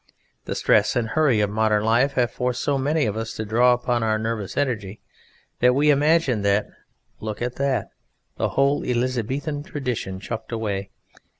The stress and hurry of modern life have forced so many of Us to draw upon Our nervous energy that We imagine that_ [Look at that 'that'! The whole Elizabethan tradition chucked away!